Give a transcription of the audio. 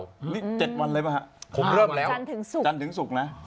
๗วันเลยป่ะจันถึงศุกร์